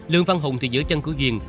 lương văn hùng thì giữ chân của duyên